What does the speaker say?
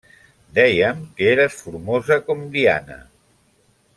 Dèiem que eres formosa com Diana.